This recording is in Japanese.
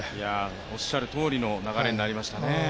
おっしゃるとおりの流れになりましたね。